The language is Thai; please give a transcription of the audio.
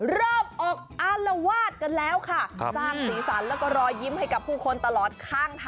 เริ่มออกอารวาสแล้วกลับท็อมวินไภพยกันน่ะ